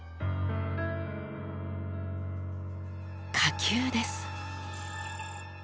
火球です。